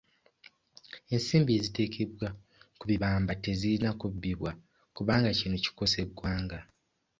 ensimbi eziteekebwa ku bibamba tezirina kubbibwa kubanga kino kikosa eggwanga.